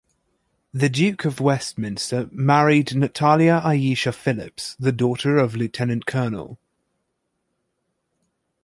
The Duke of Westminster married Natalia Ayesha Phillips, the daughter of Lt-Col.